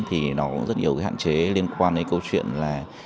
thì nó có rất nhiều hạn chế liên quan đến câu chuyện là